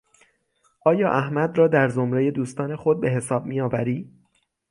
آیا احمد را در زمرهی دوستان خود به حساب میآوری؟